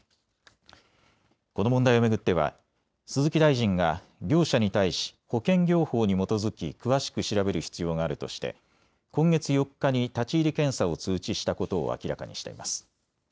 この問題を巡っては鈴木大臣が両社に対し保険業法に基づき詳しく調べる必要があるとして今月４日に立ち入り検査を通知したことを明らかにしています。